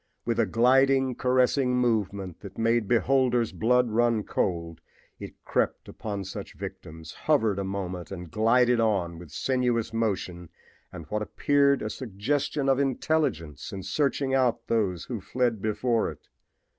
With a gliding, caressing movement that made beholders' blood run cold it crept upon such victims, hovered a moment and glided on with sinuous motion and what approached a suggestion of intelligence in searching out those who fled before it.